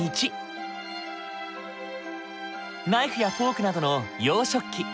ナイフやフォークなどの洋食器。